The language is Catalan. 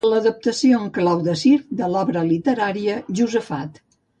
L'adaptació en clau de circ de l'obra literària "Josafat".